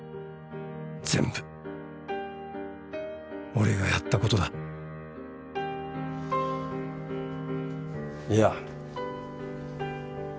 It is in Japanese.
全部俺がやったことだいや。